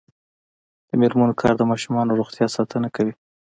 د میرمنو کار د ماشومانو روغتیا ساتنه کوي.